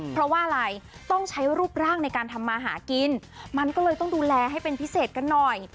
เพราะว่าอะไรต้องใช้รูปร่างในการทำมาหากินมันก็เลยต้องดูแลให้เป็นพิเศษกันหน่อย